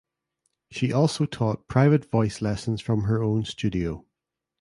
She also taught private voice lessons from her own studio.